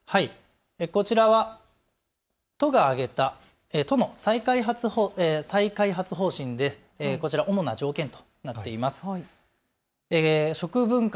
こちらは都が挙げた都の再開発方針で主な条件となっています。